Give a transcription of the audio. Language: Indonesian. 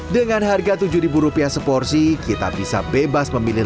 dengan harga tujuh rupiah seporsi kita bisa bebas memilih